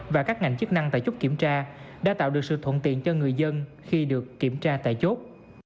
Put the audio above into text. và các ngành chức năng tại chốt kiểm tra đã tạo được sự thuận tiện cho người dân khi được kiểm tra tại chốt